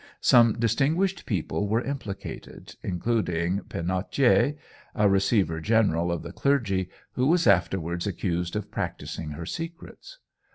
Some distinguished people were implicated, including Pennautier, the receiver general of the clergy, who was afterwards accused of practising her secrets.